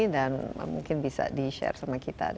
dan mungkin bisa di share sama kita